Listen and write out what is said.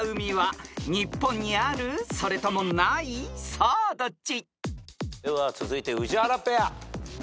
さあどっち］では続いて宇治原ペア。